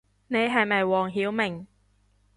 你係咪黃曉明